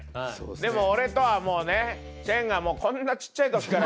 でも俺とはもうねチェンがこんな小っちゃい時から。